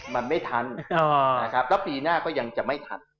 มันไม่ทันนะครับแล้วปีหน้าก็ยังจะไม่ทัน